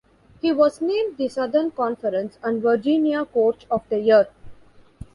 He was named the Southern Conference and Virginia Coach of the Year.